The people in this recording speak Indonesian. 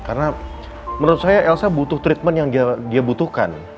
karena menurut saya elsa butuh treatment yang dia butuhkan